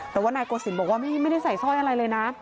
แต่ว่านายโกศิลปบอกว่าไม่ได้ใส่สร้อยอะไรเลยนะ